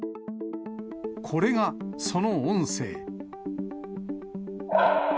これが、その音声。